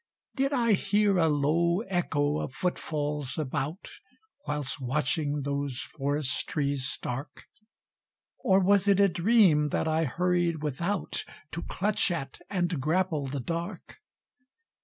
Did I hear a low echo of footfalls about, Whilst watching those forest trees stark? Or was it a dream that I hurried without To clutch at and grapple the dark?